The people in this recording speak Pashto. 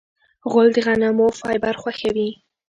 غول د غنمو فایبر خوښوي.